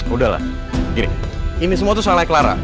udah lah gini ini semua tuh salahnya clara